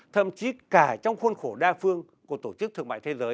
thậm chí cả trong khuôn khổ đa phương của tổ chức thương mại thế giới